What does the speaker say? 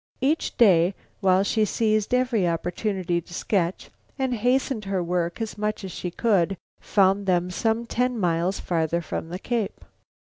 Each day while she seized every opportunity to sketch and hastened her work as much as she could, found them some ten miles farther from East Cape.